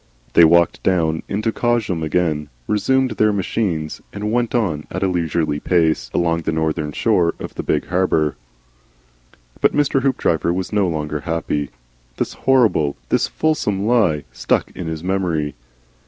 They walked down into Cosham again, resumed their machines, and went on at a leisurely pace along the northern shore of the big harbour. But Mr. Hoopdriver was no longer happy. This horrible, this fulsome lie, stuck in his memory.